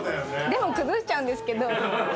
でも崩しちゃうんですけど。